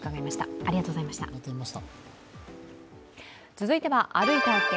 続いては、「歩いて発見！